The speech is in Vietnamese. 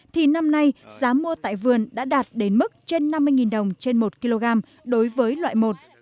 thì năm nay giá mua tại vườn đã đạt đến mức trên năm mươi đồng trên một kg đối với loại một